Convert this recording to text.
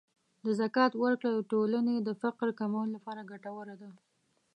د زکات ورکړه د ټولنې د فقر کمولو لپاره ګټوره ده.